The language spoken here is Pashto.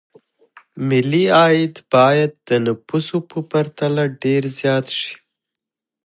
ملي عاید باید د نفوسو په پرتله ډېر زیات شي.